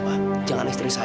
pak jangan istri saya